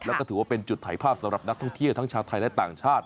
แล้วก็ถือว่าเป็นจุดถ่ายภาพสำหรับนักท่องเที่ยวทั้งชาวไทยและต่างชาติ